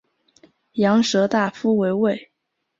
羊舌大夫为尉。